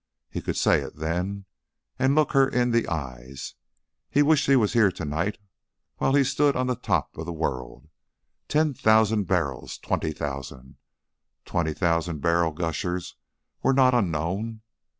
He could say it then and look her in the eyes. He wished she was here to night while he stood on the top of the world. Ten thousand barrels! Twenty thousand! Twenty thousand barrel gushers were not unknown.